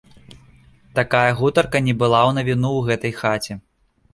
Такая гутарка не была ў навіну ў гэтай хаце.